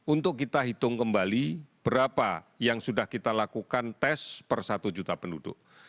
untuk kita hitung kembali berapa yang sudah kita lakukan tes per satu juta penduduk